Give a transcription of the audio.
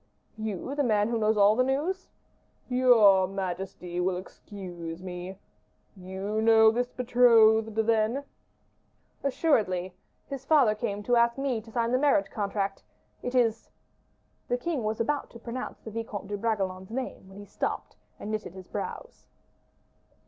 "You, the man who knows all the news?" "Your majesty will excuse me. You know this betrothed, then?" "Assuredly! his father came to ask me to sign the marriage contract: it is " The king was about to pronounce the Vicomte de Bragelonne's name, when he stopped, and knitted his brows.